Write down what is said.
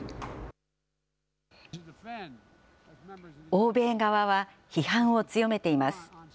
欧米側は批判を強めています。